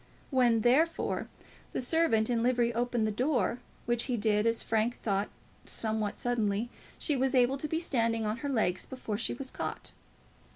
When, therefore, the servant in livery opened the door, which he did, as Frank thought somewhat suddenly, she was able to be standing on her legs before she was caught.